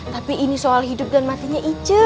tapi ini soal hidup dan matinya ice